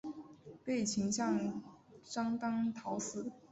被秦将章邯讨死。